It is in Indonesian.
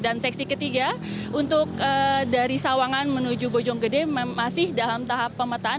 dan seksi ketiga untuk dari sawangan menuju bojonggede masih dalam tahap pemetaan